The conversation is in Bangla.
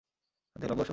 দেহ লম্বা ও সরু।